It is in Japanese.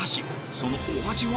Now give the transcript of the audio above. ［そのお味は？］